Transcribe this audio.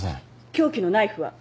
凶器のナイフは？